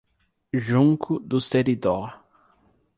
Junco do Seridó